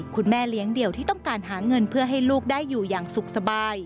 คุณแม่เลี้ยงเดี่ยวที่ต้องการหาเงินเพื่อให้ลูกได้อยู่อย่างสุขสบาย